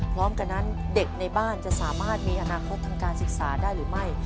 พร้อมกันนั้นเด็กในบ้านจะสามารถมีอนาคตทางการศึกษาได้หรือไม่